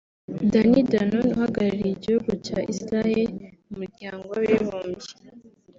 Danny Danon uhagarariye igihugu cya Israel mu Muryango w’Abibumbye